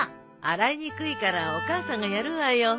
洗いにくいからお母さんがやるわよ。